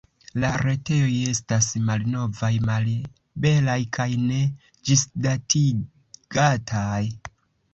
La retejoj estas malnovaj, malbelaj kaj ne ĝisdatigataj.